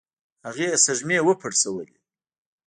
هغې سږمې وپړسولې.